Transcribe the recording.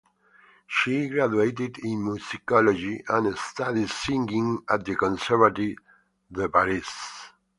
She graduated in musicology and studied singing at the Conservatoire de Paris.